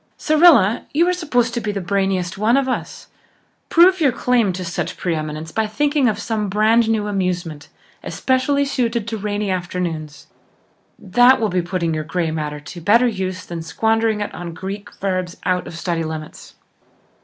Cyrilla, you are supposed to be the brainiest one of us. Prove your claim to such pre eminence by thinking of some brand new amusement, especially suited to rainy afternoons. That will be putting your grey matter to better use than squandering it on Greek verbs out of study limits."